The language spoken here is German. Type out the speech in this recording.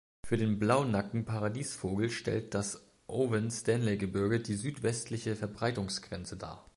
Für den Blaunacken-Paradiesvogel stellt das Owen-Stanley-Gebirge die südwestliche Verbreitungsgrenze dar.